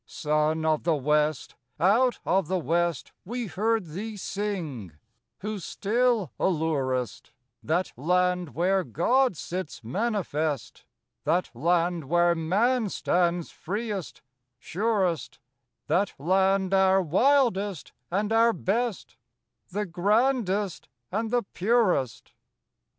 Son of the West, out of the West We heard thee sing, who still allurest, That land where God sits manifest; That land where man stands freest, surest; That land, our wildest and our best, The grandest and the purest.